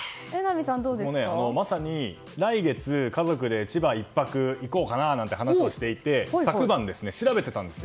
まさに来月、家族で千葉に１泊行こうかななんて話をしていて昨晩調べていたんですよ。